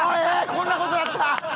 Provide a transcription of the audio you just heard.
こんな事なった！